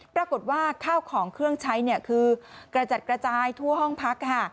ปรากฏว่าข้าวของเครื่องใช้คือกระจัดกระจายทั่วห้องพักค่ะ